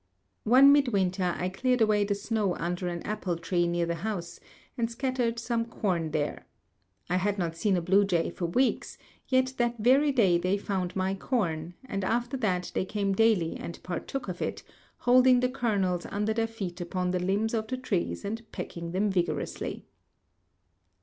One midwinter I cleared away the snow under an apple tree near the house, and scattered some corn there. I had not seen a bluejay for weeks, yet that very day they found my corn, and after that they came daily and partook of it, holding the kernels under their feet upon the limbs of the trees and pecking them vigorously.